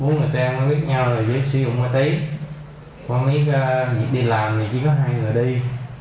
bốn người ta mới biết nhau là dưới sử dụng hoa tí có biết đi làm thì chỉ có hai người đi